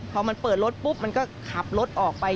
พอก่อนมันเปิดรถปุ๊บก็ขับรถไป